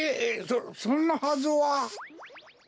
そそんなはずは。